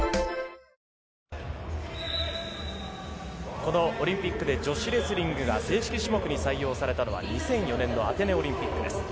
このオリンピックで女子レスリングが正式種目に採用されたのは２００４年のアテネオリンピックです。